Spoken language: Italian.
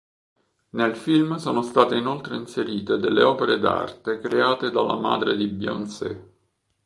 Nel film sono state inoltre inserite delle opere d'arte create dalla madre di Beyoncé.